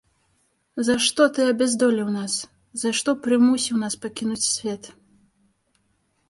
За што ты абяздоліў нас, за што прымусіў нас пакінуць свет?